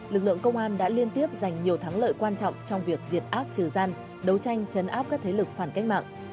lực lượng công an đã liên tiếp giành nhiều thắng lợi quan trọng trong việc diệt ác trừ gian đấu tranh chấn áp các thế lực phản cách mạng